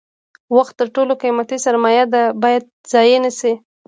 وخت تر ټولو قیمتي سرمایه ده باید ضایع نشي.